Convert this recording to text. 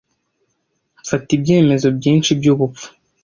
Mfata ibyemezo byinshi byubupfu.